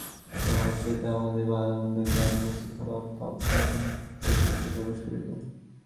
উহাতেই তাহাদের ভালমন্দ-জ্ঞান উপস্থিত হইয়া পাপ প্রথম পৃথিবীতে প্রবেশ করিল।